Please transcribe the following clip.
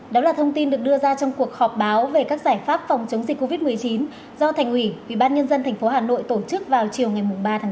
đó là thông tin được đưa ra trong cuộc họp báo về các giải pháp phòng chống dịch covid một mươi chín do thành ủy ubnd tp hà nội tổ chức vào chiều ngày ba tháng chín